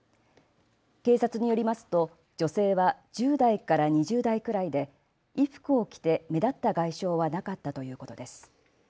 警察によりますと女性は１０代から２０代くらいで衣服を着て目立った外傷はなかったということです。